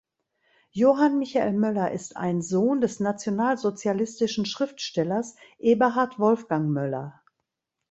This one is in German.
Johann Michael Möller ist ein Sohn des nationalsozialistischen Schriftstellers Eberhard Wolfgang Möller.